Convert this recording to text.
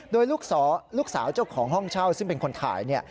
โดยลูกสาวเจ้าของห้องเช่าซึ่งเป็นคนถ่าย